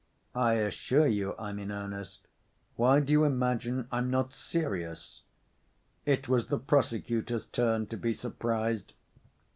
"I assure you I'm in earnest.... Why do you imagine I'm not serious?" It was the prosecutor's turn to be surprised.